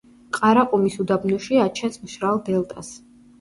ყარაყუმის უდაბნოში აჩენს მშრალ დელტას.